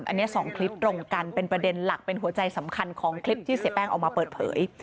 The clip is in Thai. อันนี้๒คลิปตรงกันเป็นประเด็นหลักเป็นหัวใจสำคัญของคลิปที่เสียแป้งออกมาเปิดเผย